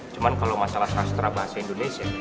cuma kalau masalah sastra bahasa indonesia